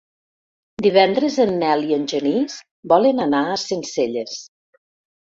Divendres en Nel i en Genís volen anar a Sencelles.